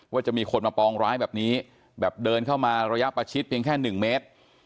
ว่าจะมีคนมาปองร้ายแบบนี้แบบเดินเข้ามาระยะประชิดเพียงแค่๑เมตร